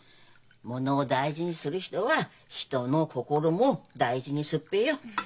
ものを大事にする人は人の心も大事にすっぺよ。